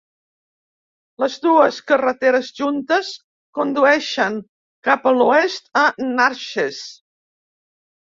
Les dues carreteres juntes condueixen cap a l'oest, a Natchez.